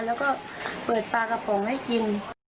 แล้วก็เปิดปลากระป๋องให้กิน